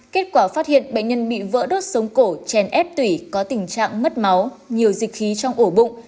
kết quả phát hiện bệnh nhân bị vỡ đốt sống cổ chèn ép tủy có tình trạng mất máu nhiều dịch khí trong ổ bụng